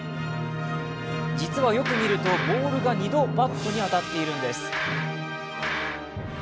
実はよく見るとボールが２度バットに当たっているんです。